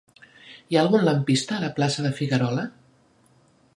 Hi ha algun lampista a la plaça de Figuerola?